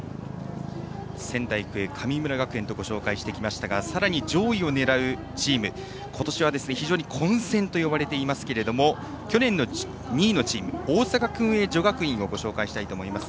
仙台育英、神村学園とご紹介してきましたがさらに、上位を狙うチーム今年は非常に混戦と呼ばれていますが去年の２位のチーム大阪薫英女学院をご紹介したいと思います。